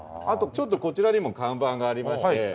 あとちょっとこちらにも看板がありまして。